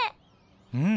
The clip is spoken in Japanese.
うん。